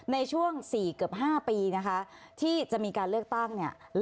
ในช่วง๔๕ปีที่จะมีการเลือกตั้ง